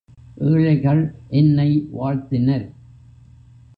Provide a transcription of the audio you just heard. ஏழைகள் என்னை வாழ்த்தினர்.